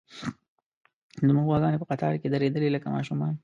زموږ غواګانې په قطار کې درېدلې، لکه ماشومان.